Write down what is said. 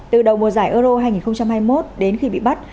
từ đầu mùa giải euro hai nghìn hai mươi một đến khi bị bắt